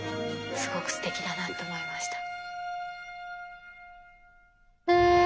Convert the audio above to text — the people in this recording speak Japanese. すごくすてきだなって思いました。